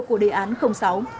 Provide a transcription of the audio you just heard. của đề án sáu